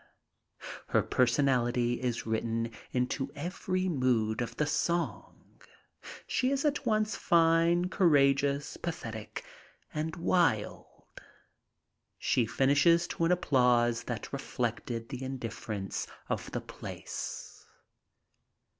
Her personality is written into every mood of the song. She is at once fine, courageous, pathetic and wild. She finished to an applause that reflected the indifference of the place.